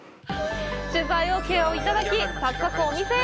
取材オーケーをいただき、早速お店へ。